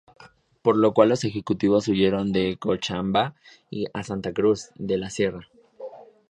Por lo cual los ejecutivos huyeron de Cochabamba a Santa Cruz de la Sierra.